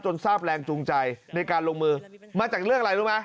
ทราบแรงจูงใจในการลงมือมาจากเรื่องอะไรรู้ไหม